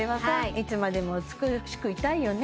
いつまでも美しくいたいよね